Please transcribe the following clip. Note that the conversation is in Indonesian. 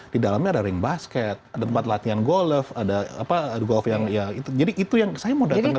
di dalamnya ada ring basket ada tempat latihan golf ada golf yang ya itu jadi itu yang saya mau datang ke sini